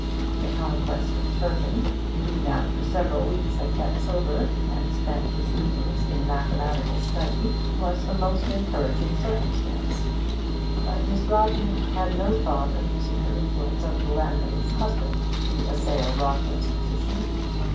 The conquest of Turpin, who now for several weeks had kept sober, and spent his evenings in mathematical study, was a most encouraging circumstance; but Miss Rodney had no thought of using her influence over her landlady's husband to assail Rawcliffe's position.